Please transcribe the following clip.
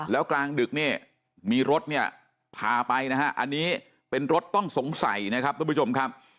แล้วกลางดึกเนี่ยมีรถเนี่ยพาไปนะฮะอันนี้เป็นรถต้องสงสัยนะครับทุกผู้ชมครับ